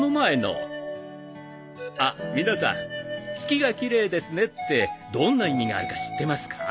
あっ皆さん「月が奇麗ですね」ってどんな意味があるか知ってますか？